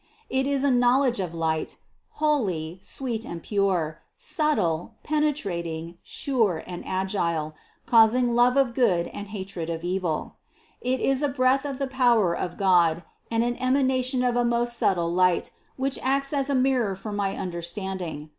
It is a knowledge of light, holy, sweet and pure, subtle, pene trating, sure and agile, causing love of good and hatred of evil. It is a breath of the power of God and an ema nation of a most subtle light, which acts as a mirror for my understanding.